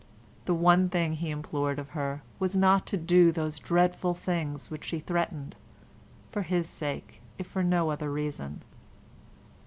The one thing he implored of her was not to do those dreadful things which she threatened—for his sake if for no other reason.